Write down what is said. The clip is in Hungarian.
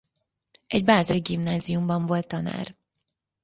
Egy bázeli gimnáziumban volt tanár.